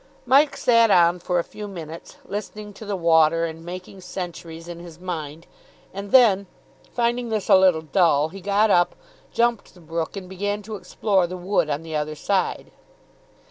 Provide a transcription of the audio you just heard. Mike sat on for a few minutes, listening to the water and making centuries in his mind, and then, finding this a little dull, he got up, jumped the brook, and began to explore the wood on the other side.